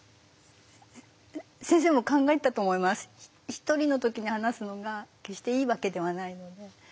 １人の時に話すのが決していいわけではないので。